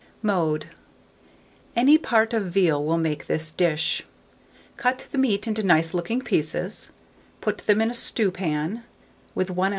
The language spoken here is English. Mode. Any part of veal will make this dish. Cut the meat into nice looking pieces, put them in a stewpan with 1 oz.